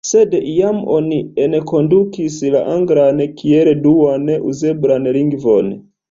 Sed iam oni enkondukis la anglan kiel duan uzeblan lingvon.